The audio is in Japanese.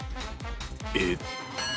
えっと。